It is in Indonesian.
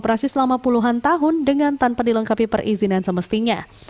beroperasi selama puluhan tahun dengan tanpa dilengkapi perizinan semestinya